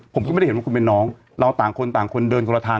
ผมก็ไม่ได้เห็นว่าคุณเป็นน้องเราต่างคนต่างคนเดินคนละทาง